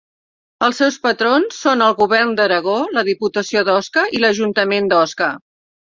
Els seus patrons són el Govern d'Aragó, la Diputació d'Osca i l'Ajuntament d'Osca.